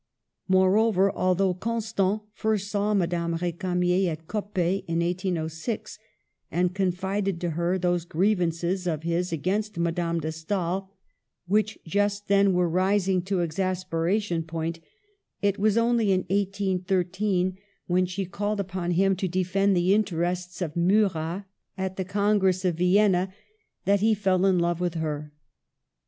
Moreover, although Constant first saw Ma dame Ricamier at Coppet in 1806, and confided to her those grievances of his against Madame de Stael, which just then were rising to exaspera tion point, it was only in 18 13, when she called Digitized by VjOOQIC Il6 MADAME DE STAEL. '• upon him to defend the interests of Murat at the Congress of Vienna, that he fell in love with her.